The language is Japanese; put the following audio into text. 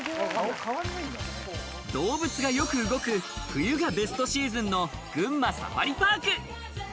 動物がよく動く冬がベストシーズンの群馬サファリパーク。